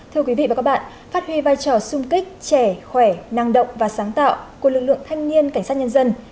thưa quý vị và các bạn phát huy vai trò sung kích trẻ khỏe năng động và sáng tạo của lực lượng thanh niên cảnh sát nhân dân